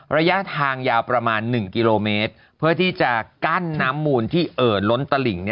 ระยะทางยาวประมาณ๑กิโลเมตรเพื่อที่จะกั้นน้ำมูลที่เอ่อล้นตลิ่ง